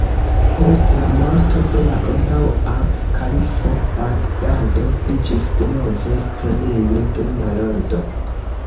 Post la morto de la antaŭa kalifo, Bagdado iĝis denove scenejo de malordo.